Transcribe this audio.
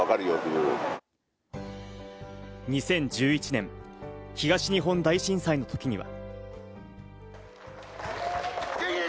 ２０１１年、東日本大震災の時には。